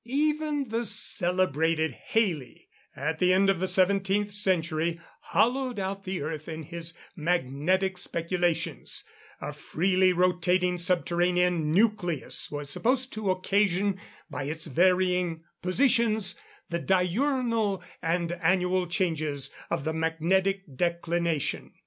Even the celebrated Halley, at the end of the 17th century, hollowed out the earth in his magnetic speculations; a freely rotating subterranean nucleus was supposed to occasion, by its varying positions, the diurnal and annual changes of the magnetic declination.